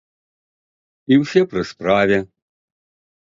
І ўсе пры справе!